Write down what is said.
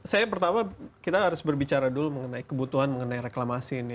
saya pertama kita harus berbicara dulu mengenai kebutuhan mengenai reklamasi ini